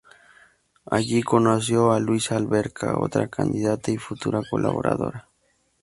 Allí conoció a Luisa Alberca, otra candidata y futura colaboradora.